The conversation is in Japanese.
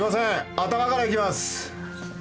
頭からいきます。